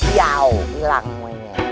yau hilang mu ini